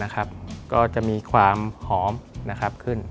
ก็จะมีความหอมขึ้น